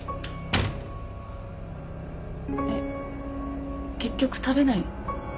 えっ結局食べないの？